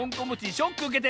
ショックうけてんの？